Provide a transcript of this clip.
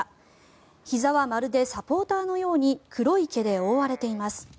ひざはまるでサポーターのように黒い毛で覆われています。